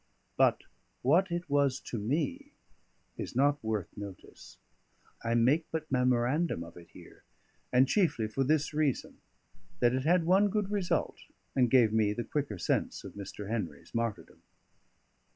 But what it was to me is not worth notice. I make but memorandum of it here; and chiefly for this reason, that it had one good result, and gave me the quicker sense of Mr. Henry's martyrdom.